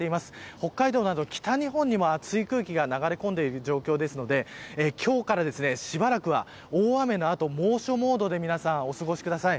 北海道や北日本などにも熱い空気が流れている状況なので今日からしばらくは大雨の後は猛暑モードで皆さんお過ごしください。